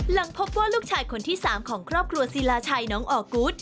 หลังพบว่าลูกชายคนที่๓ของครอบครัวศิลาชัยน้องออกูธ